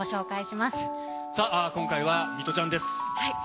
今回はミトちゃんです。